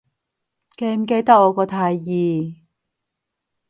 記唔記得我個提議